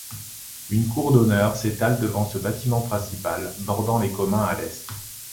Une cour d'honneur s'étale devant ce bâtiment principal, bordant les communs à l'est.